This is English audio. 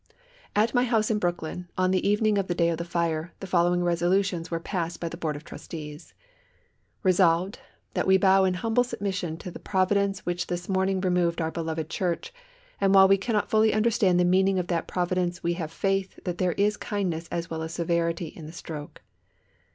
At my house in Brooklyn, on the evening of the day of the fire, the following resolutions were passed by the Board of Trustees: "Resolved that we bow in humble submission to the Providence which this morning removed our beloved Church, and while we cannot fully understand the meaning of that Providence we have faith that there is kindness as well as severity in the stroke.